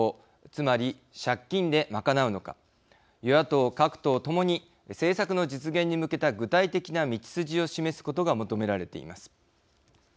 つまり借金で賄うのか与野党各党ともに政策の実現に向けた具体的な道筋を示すことが求められています。